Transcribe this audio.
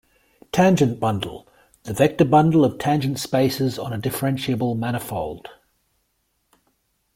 Tangent bundle, the vector bundle of tangent spaces on a differentiable manifold.